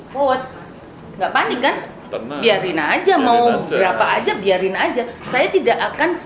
kuat nggak panik kan biarin aja mau berapa aja biarin aja saya tidak akan